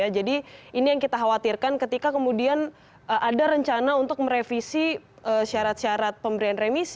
jadi ini yang kita khawatirkan ketika kemudian ada rencana untuk merevisi syarat syarat pemberian remisi